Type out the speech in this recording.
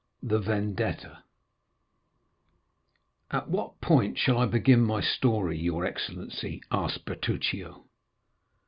The Vendetta At what point shall I begin my story, your excellency?" asked Bertuccio.